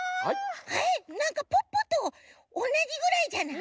えっなんかポッポとおなじぐらいじゃない？